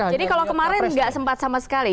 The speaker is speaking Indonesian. jadi kalau kemarin gak sempat sama sekali